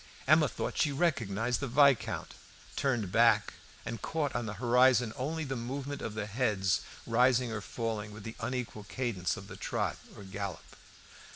Emma thought she recognized the Viscount, turned back, and caught on the horizon only the movement of the heads rising or falling with the unequal cadence of the trot or gallop.